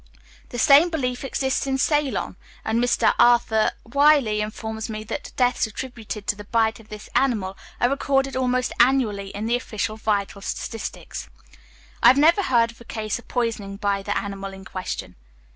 The same belief exists in Ceylon, and Mr Arthur Willey informs me that deaths attributed to the bite of this animal are recorded almost annually in the official vital statistics. I have never heard of a case of poisoning by the animal in question.